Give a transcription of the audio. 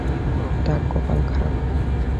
তার কপাল খারাপ।